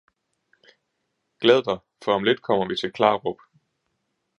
Glæd dig for om lidt kommer vi til Klarup